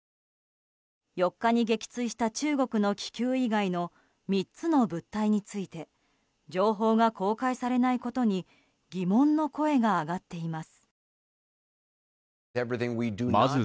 ４日に撃墜した中国の気球以外の３つの物体について情報が公開されないことに疑問の声が上がっています。